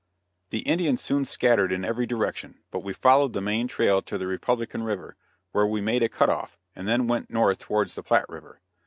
The Indians soon scattered in every direction, but we followed the main trail to the Republican river, where we made a cut off, and then went north towards the Platte river.